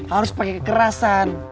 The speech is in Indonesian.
harus pakai kekerasan